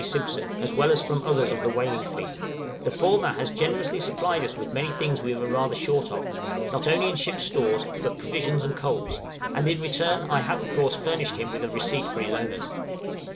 Simpson, as well as from others of the whaling fleet; the former has generously supplied us with many things we were rather short of, not only in ship's stores, but provisions and coals, and in return I have of course furnished him with a receipt for his owners.